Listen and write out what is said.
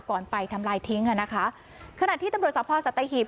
ก่อนไปทำลายทิ้งคณะที่ตรวจสอบพ่อสัตยาฮีบ